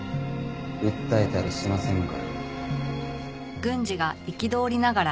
訴えたりしませんから。